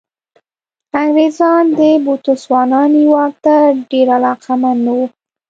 انګرېزان د بوتسوانا نیواک ته ډېر علاقمند نه وو.